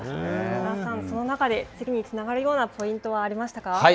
中澤さん、その中で次につながるようなポイントはありましたか。